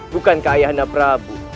bukankah ayah anda prabu